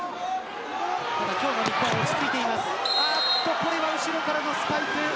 これは後ろからのスパイク。